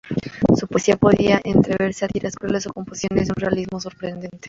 Su poesía podía entrever sátiras crueles o composiciones de un realismo sorprendente.